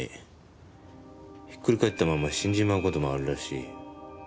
ひっくり返ったまま死んじまう事もあるらしい。